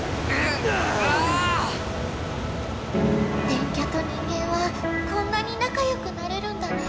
電キャとニンゲンはこんなになかよくなれるんだね。